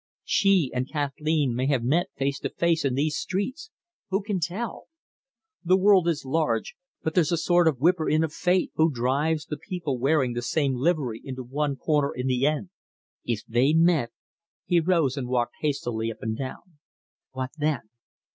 She and Kathleen may have met face to face in these streets who can tell! The world is large, but there's a sort of whipper in of Fate, who drives the people wearing the same livery into one corner in the end. If they met" he rose and walked hastily up and down "what then?